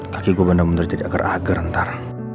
kaki gue benar benar jadi agar agar ntar